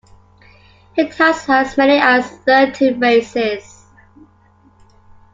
It has as many as thirteen races.